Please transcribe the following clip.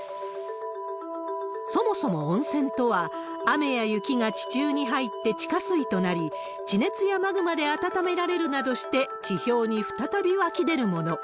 そもそも温泉とは、雨や雪が地中に入って地下水となり、地熱やマグマで温められるなどして、地表に再び湧き出るもの。